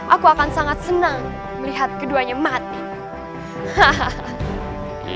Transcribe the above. aku akan sangat senang melihat keduanya mati